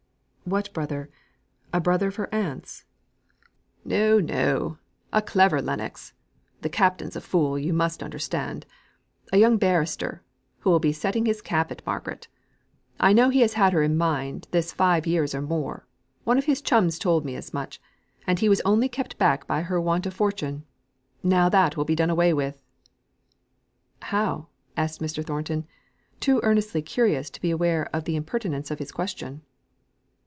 "What brother? A brother of her aunt's?" "No, no; a clever Lennox (the captain's a fool, you must understand); a young barrister, who will be setting his cap at Margaret. I know he has had her in his mind these five years or more; one of his chums told me as much; and he was only kept back by want of fortune. Now that will be done away with." "How?" asked Mr. Thornton, too earnestly curious to be aware of the impertinence of his question.